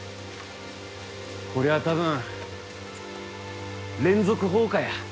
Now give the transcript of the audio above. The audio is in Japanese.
こりゃ多分連続放火や。